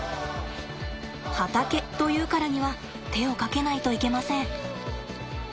畑というからには手をかけないといけません。